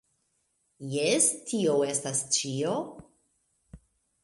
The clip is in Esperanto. Jes tio estas ĉio!